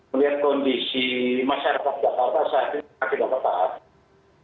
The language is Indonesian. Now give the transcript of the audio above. melihat kondisi masyarakat jakarta saat ini tidak terpaham